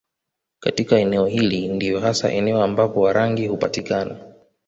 Katikati ya eneo hili ndiyo hasa eneo ambapo Warangi hupatikana